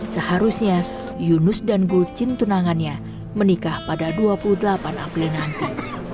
seharusnya yunus dan gulcin tunangannya menikah pada dua puluh delapan april nanti